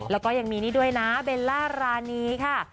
แล้วก็ยังมีนี่ด้วยนะเบลล่ารานีค่ะ